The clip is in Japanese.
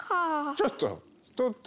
ちょっと！